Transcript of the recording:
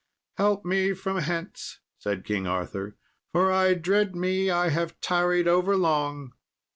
"Help me from hence," said King Arthur; "for I dread me I have tarried over long."